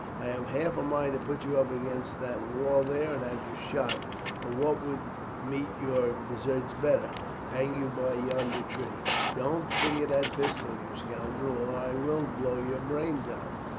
I have half a mind to put you against that wall there and have you shot; or, what would meet your deserts better, hang you to yonder tree. Don't finger that pistol, you scoundrel, or I will blow your brains out.